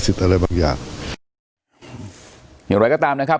อะไรบางอย่างอย่างไรก็ตามนะครับ